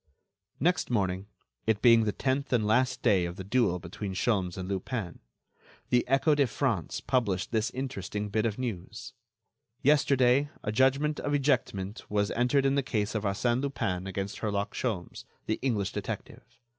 Next morning—it being the tenth and last day of the duel between Sholmes and Lupin—the Echo de France published this interesting bit of news: "Yesterday a judgment of ejectment was entered in the case of Arsène Lupin against Herlock Sholmes, the English detective.